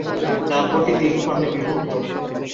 কাব্যটি তিন খণ্ডে বিভক্ত।